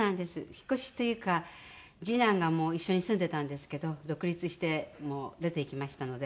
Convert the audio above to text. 引っ越しっていうか次男が一緒に住んでたんですけど独立してもう出て行きましたので。